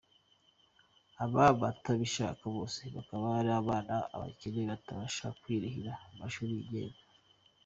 Aba batabibasha bose bakaba ari abana b’abakene batabasha kwirihira amashuli yigenga.